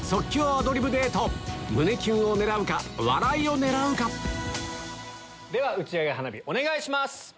胸キュンを狙うか笑いを狙うかでは打ち上げ花火お願いします。